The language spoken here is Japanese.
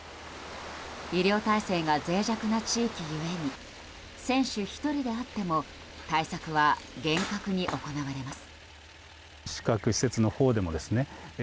医療体制が脆弱な地域故に選手１人であっても対策は厳格に行われます。